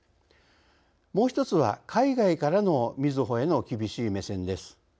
もう１つは海外からのみずほへの厳しい目線です。